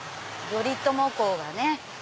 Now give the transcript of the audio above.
頼朝公がね